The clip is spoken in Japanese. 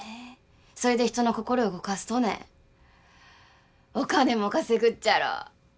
それで人の心を動かすとねお金も稼ぐっちゃろ？